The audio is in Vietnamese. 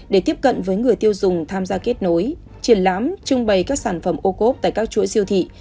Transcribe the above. để tiếp cận với người tiêu dùng tham gia kết nối triển lãm trưng bày các sản phẩm ô cốp tại các chuỗi siêu thị